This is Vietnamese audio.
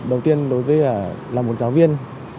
đầu tiên đối với là một giáo viên